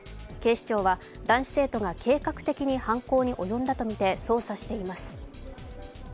警視庁は、男子生徒が計画的に犯行に及んだとみて捜査しています。